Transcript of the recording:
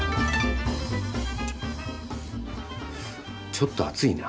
ちょっと熱いな。